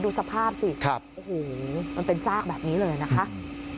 ดูสภาพสิโอ้โหมันเป็นซากแบบนี้เลยนะคะ